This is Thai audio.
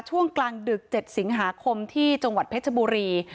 ช่วงกลางดึก๗สิงหาคมที่จังหวัดเพชรบุรี